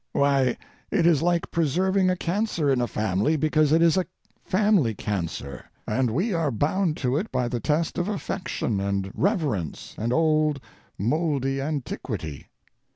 Why, it is like preserving a cancer in a family because it is a family cancer, and we are bound to it by the test of affection and reverence and old, mouldy antiquity.